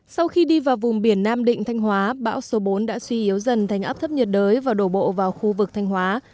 sau khi đi vào vùng biển nam định thanh hóa bão số bốn đã suy yếu dần thành áp thấp nhiệt đới và đổ bộ vào khu vực thanh hóa